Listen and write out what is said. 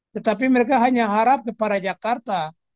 tetapi mereka hanya harap kepada jakarta